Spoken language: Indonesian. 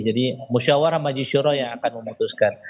jadi musyawarah majisura yang akan memutuskan